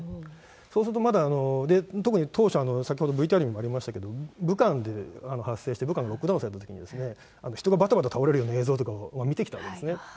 そうするとまだ、特に当初、先ほどＶＴＲにもありましたけれども、武漢で発生して武漢でロックダウンされたときに、人がばたばた倒れるような映像も見てきたわけですね。